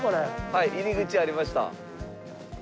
はい入り口ありました。